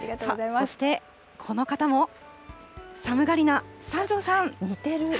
そしてこの方も、寒がりな三條さん。